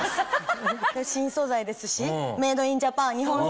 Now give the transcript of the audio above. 新素材ですしメイド・イン・ジャパン日本製。